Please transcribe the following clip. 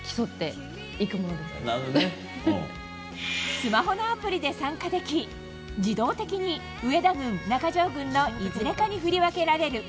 スマホのアプリで参加でき自動的に上田軍、中条軍のいずれかに振り分けられる。